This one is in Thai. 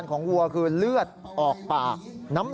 สายลูกไว้อย่าใส่